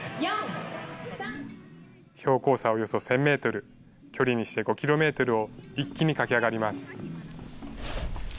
標高差およそ１０００メートル、距離にして５キロメートルを一気に駆け上がります。